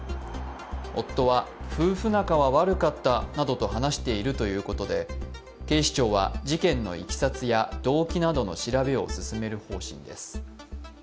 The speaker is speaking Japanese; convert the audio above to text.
夫は夫婦仲は悪かったなどと話しているということで警視庁は事件のいきさつや動機などの調べを進める方針です。